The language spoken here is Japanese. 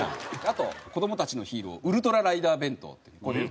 あと子どもたちのヒーローウルトラライダー弁当っていう。